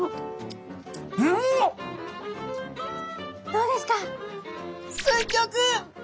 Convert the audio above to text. どうですか？